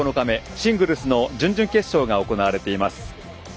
シングルスの準々決勝が行われています。